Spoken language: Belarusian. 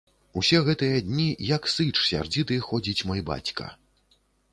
Усе гэтыя дні, як сыч, сярдзіты ходзіць мой бацька.